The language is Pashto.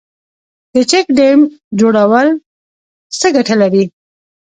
د چک ډیم جوړول څه ګټه لري؟